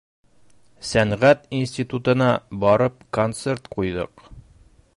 Сәнғәт институтына барып концерт ҡуйҙыҡ.